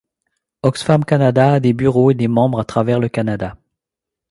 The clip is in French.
Oxfam Canada a des bureaux et des membres à travers le Canada.